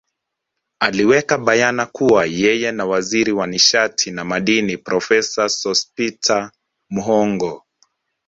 Aliweka bayana kuwa yeye na Waziri wa nishati na Madini Profesa Sospeter Muhongo